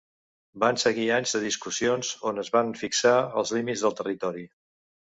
Van seguir anys de discussions on es van fixar els límits del territori.